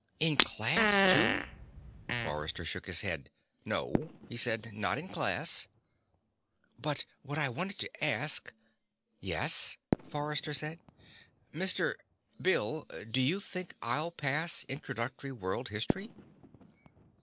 "In class, too?" Forrester shook his head. "No," he said. "Not in class." "But what I wanted to ask " "Yes?" Forrester said. "Mr. Bill do you think I'll pass Introductory World History?"